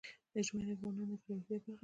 ژمی د افغانانو د ګټورتیا برخه ده.